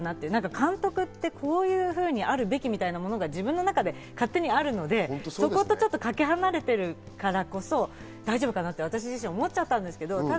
監督ってこういうふうにあるべきみたいなものが自分の中で勝手にあるので、そことかけ離れているからこそ大丈夫かなって私自身思っちゃったんですけど。